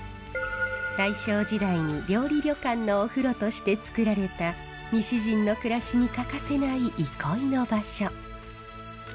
大正時代に料理旅館のお風呂として造られた西陣の暮らしに欠かせない憩いの場所。